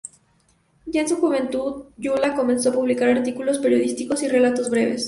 Ya en su juventud, Gyula comenzó a publicar artículos periodísticos y relatos breves.